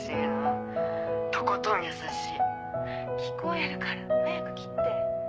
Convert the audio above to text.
聞こえるから早く切って。